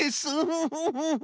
ウフフフ。